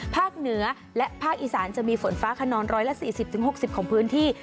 ภาคเหนือและภาคอิสานจะมีฝนฟ้าคนนร้อยละ๔๐๖๐ของพื้นที่